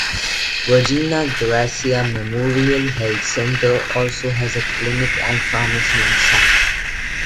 Virginia Garcia Memorial Health Center also has a clinic and pharmacy on site.